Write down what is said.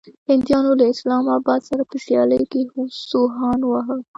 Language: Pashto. هنديانو له اسلام اباد سره په سيالۍ کې سوهان واهه.